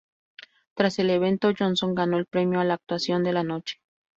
Tras el evento, Johnson ganó el premio a la "Actuación de la Noche".